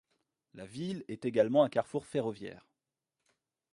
La ville est également un carrefour ferroviaire.